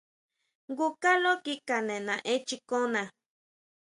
Jngu kaló kikane naʼenchikona.